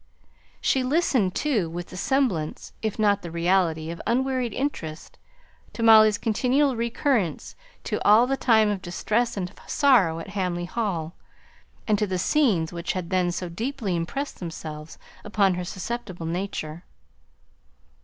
She listened, too, with the semblance, if not the reality, of unwearied interest, to Molly's continual recurrence to all the time of distress and sorrow at Hamley Hall, and to the scenes which had then so deeply impressed themselves upon her susceptible nature.